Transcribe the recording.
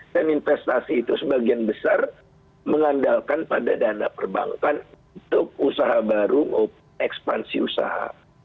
dan investasi itu sebagian besar mengandalkan pada dana perbankan untuk usaha baru ekspansi usaha